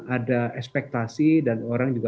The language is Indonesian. ada ekspektasi dan orang juga